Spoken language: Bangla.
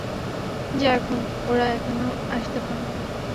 যা এখন, ওরা এখানেও আসতে পারে।